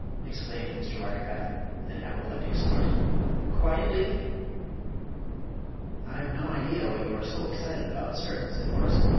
exclaimed Mr. Wackerbath, with an apoplectic snort; "quietly!!" "I've no idea what you are so excited about, sir," said Horace.